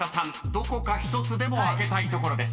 どこか１つでも開けたいところです］